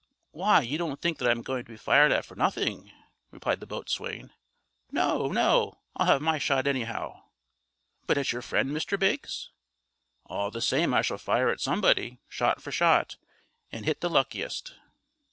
"Why, you don't think that I'm going to be fired at for nothing?" replied the boatswain. "No, no, I'll have my shot anyhow." "But at your friend, Mr. Biggs?" "All the same I shall fire at somebody; shot for shot, and hit the luckiest."